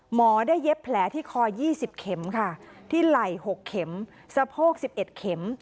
หมอได้เย็บแผลที่คอ๒๐เข็มค่ะที่ไหล่๖เข็มสะโพก๑๑เข็ม